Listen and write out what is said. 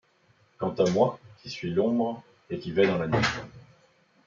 Quant à moi ; qui suis l’ombre et qui vais dans la nuit